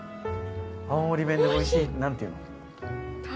青森弁で「美味しい」何ていうの？